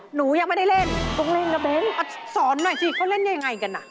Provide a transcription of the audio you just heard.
หนูยังไม่ได้เล่นสอนหน่อยสิเขาเล่นยังไงกันนะ